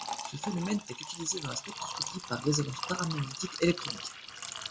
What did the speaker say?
Ce phénomène est utilisé dans la spectroscopie par résonance paramagnétique électronique.